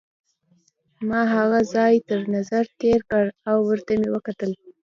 ما هغه ځای تر نظر تېر کړ او ورته مې وکتل.